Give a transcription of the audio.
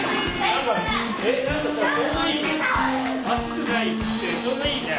何かさちょうどいいね。